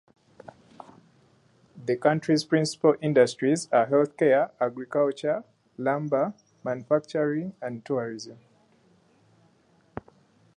The county's principal industries are healthcare, agriculture, lumber, manufacturing, and tourism.